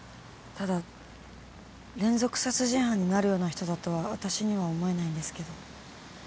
ただ連続殺人犯になるような人だとは私には思えないんですけど。